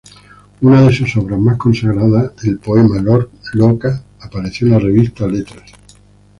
Una de sus obras más consagradas, el poema "Loca" apareció en la revista "Letras".